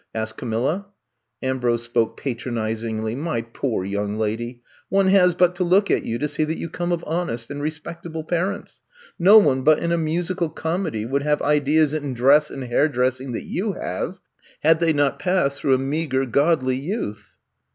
asked Camilla. Ambrose spoke patronizingly. ^*My poor young lady, one has but to look at you to see that you come of honest and respectable parents. No one but in a musical comedy would have ideas in dress I'VE COME TO STAY 21 and hairdressing that you have, had they not passed through a meager, godly youth.